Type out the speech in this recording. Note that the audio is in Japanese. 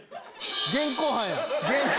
現行犯やん。